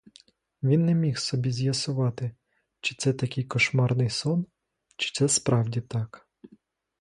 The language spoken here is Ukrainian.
Він не міг собі з'ясувати, чи це такий кошмарний сон, чи це справді так.